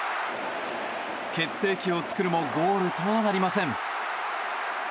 決定機を作るもゴールとはなりません。